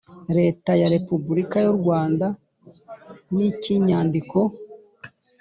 Leta ya repubulika y u rwanda n icy inyandiko